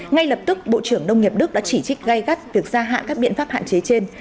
ngay lập tức bộ trưởng nông nghiệp đức đã chỉ trích gây gắt việc gia hạn các biện pháp hạn chế trên